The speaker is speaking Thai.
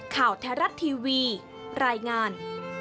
ข่าวแท้รัฐทีวีรายงาน